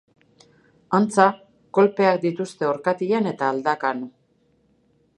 Antza, kolpeak dituzte orkatilan eta aldakan.